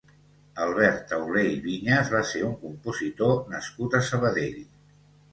Albert Taulé i Viñas va ser un compositor nascut a Sabadell.